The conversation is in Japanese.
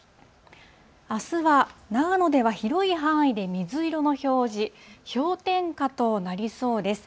あすは長野では広い範囲で水色の表示、氷点下となりそうです。